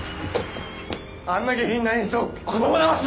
あんな下品な演奏子供だましだ！